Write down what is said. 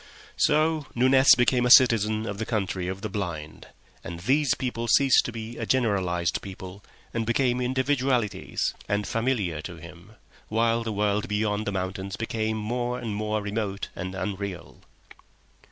So Nunez became a citizen of the Country of the Blind, and these people ceased to be a generalised people and became individualities to him, and familiar to him, while the world beyond the mountains became more and more remote and unreal.